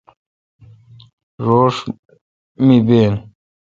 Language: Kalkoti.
روݭ می بین۔